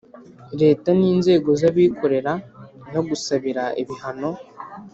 Leta ninzego zabikorera no gusabira ibihano